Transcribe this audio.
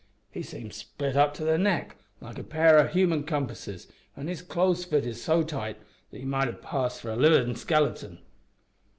He seemed split up to the neck, like a pair o' human compasses, an' his clo's fitted so tight that he might have passed for a livin' skeleton!